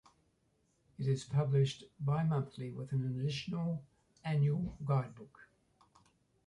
It is published bimonthly with an additional annual guidebook.